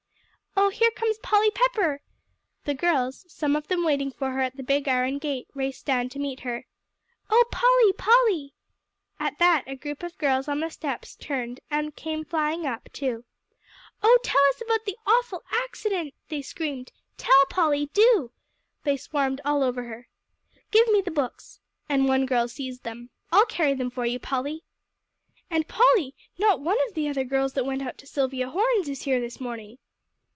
"Oh, here comes Polly Pepper!" The girls, some of them waiting for her at the big iron gate, raced down to meet her. "Oh Polly Polly." At that a group of girls on the steps turned, and came flying up, too. "Oh, tell us all about the awful accident," they screamed. "Tell, Polly, do." They swarmed all over her. "Give me the books," and one girl seized them. "I'll carry them for you, Polly." "And, Polly, not one of the other girls that went out to Silvia Horne's is here this morning."